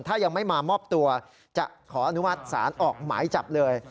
ถ้ายังไม่มามอบตัวจะขออนุมัติศาลออกหมายจับเลย